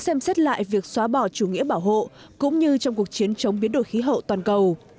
xem xét lại việc xóa bỏ chủ nghĩa bảo hộ cũng như trong cuộc chiến chống biến đổi khí hậu toàn cầu